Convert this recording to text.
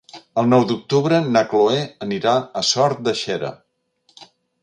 El nou d'octubre na Chloé anirà a Sot de Xera.